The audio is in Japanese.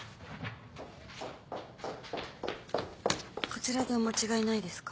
こちらでお間違いないですか？